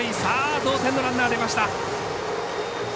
同点のランナー出ました。